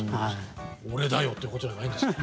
「俺だよ！」ってことじゃないんですか？